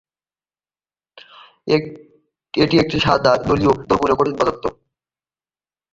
এটি একটি সাদা, জলীয় দ্রবণীয় কঠিন পদার্থ।